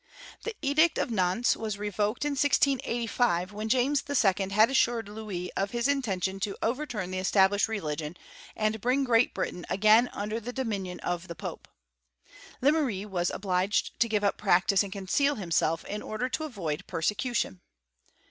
The edict of Nantes was revoked in 1685, when James II. had assured Louis of his intention to over turn the established religion, and bring Great Britain i^ain under the dominion of the pope. Lemery was obliged to give up practice and conceal himself, in order to avoid persecution.